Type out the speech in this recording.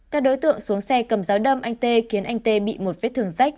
các đối tượng xuống xe cầm dao đâm anh t khiến anh t bị một vết thường rách